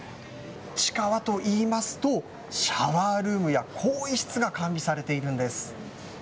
地下はといいますと、シャワールームや更衣室が完備されているんです。